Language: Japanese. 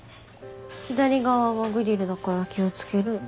左側はグリルだから気を付ける。